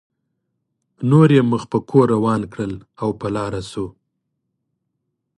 نور یې مخ په کور روان کړل او په لاره شو.